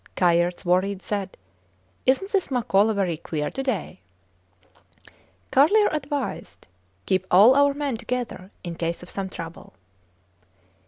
Kayerts, worried, said, Isnt this Makola very queer to day? Carlier advised, Keep all our men together in case of some trouble.